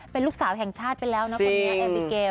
เป็นลูกสาวแห่งชาติไปแล้วนะคนนี้เอฟิเกล